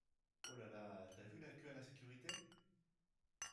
Holala, t'as vu la queue à la sécurité ?!